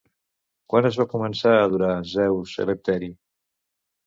Quan es va començar a adorar Zeus Elevteri?